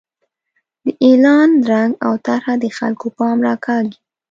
د اعلان رنګ او طرحه د خلکو پام راکاږي.